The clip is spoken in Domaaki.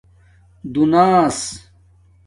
دونِس